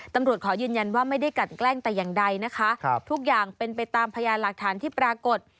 ขอยืนยันว่าไม่ได้กันแกล้งแต่อย่างใดนะคะทุกอย่างเป็นไปตามพยานหลักฐานที่ปรากฏ